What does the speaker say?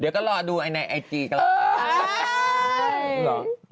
เดี๋ยวก็รอดูไอในไอจีก็รอดู